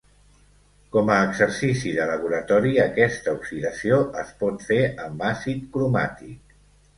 Com a exercici de laboratori, aquesta oxidació es pot fer amb àcid cromàtic.